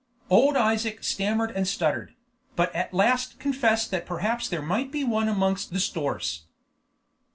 Old Isaac stammered and stuttered, but at last confessed that perhaps there might be one amongst the stores.